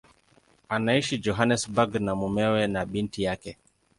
Anaishi Johannesburg na mumewe na binti yake.